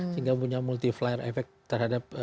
sehingga punya multiflare efek terhadap